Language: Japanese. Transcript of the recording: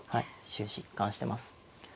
終始一貫してます。